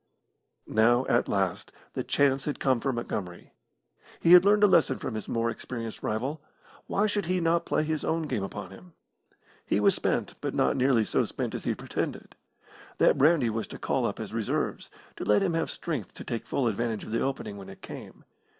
Now, at last, the chance had come for Montgomery. He had learned a lesson from his more experienced rival. Why should he not play his own game upon him? He was spent, but not nearly so spent as he pretended. That brandy was to call up his reserves, to let him have strength to take full advantage of the opening when it came.